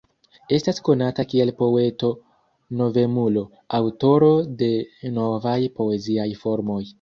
Estas konata kiel poeto-novemulo, aŭtoro de novaj poeziaj formoj.